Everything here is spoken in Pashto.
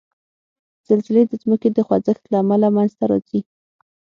زلزلې د ځمکې د خوځښت له امله منځته راځي.